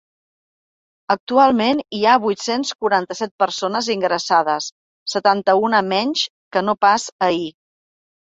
Actualment hi ha vuit-cents quaranta-set persones ingressades, setanta-una menys que no pas ahir.